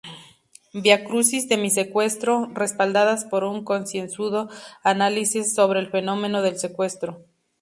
Viacrucis de mi Secuestro, respaldadas por un concienzudo análisis sobre el fenómeno del secuestro.